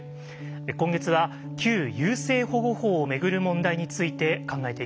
今月は旧優生保護法を巡る問題について考えていきます。